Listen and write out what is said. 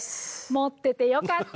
持っててよかった。